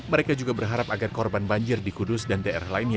mereka juga berharap agar korban banjir di kudus dan daerah lainnya